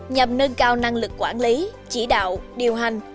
nhằm nâng cao năng lực quản lý chỉ đạo điều hành